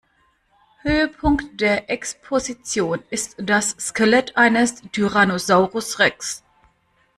Höhepunkt der Exposition ist das Skelett eines Tyrannosaurus Rex.